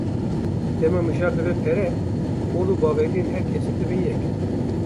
Dema mijar dibe pere, ol û baweriyên her kesî dibin yek.